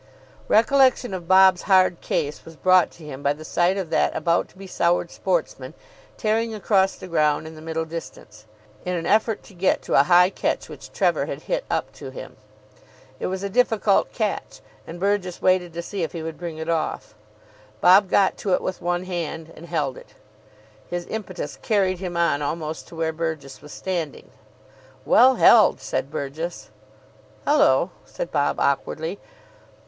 Recollection of Bob's hard case was brought to him by the sight of that about to be soured sportsman tearing across the ground in the middle distance in an effort to get to a high catch which Trevor had hit up to him. It was a difficult catch, and Burgess waited to see if he would bring it off. Bob got to it with one hand, and held it. His impetus carried him on almost to where Burgess was standing. "Well held," said Burgess. "Hullo," said Bob awkwardly.